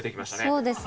そうですね。